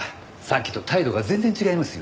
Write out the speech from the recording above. さっきと態度が全然違いますよね。